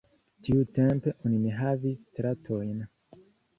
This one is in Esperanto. Tiu tempe, oni ne havis stratojn.